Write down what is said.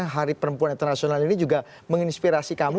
hari perempuan internasional ini juga menginspirasi kamu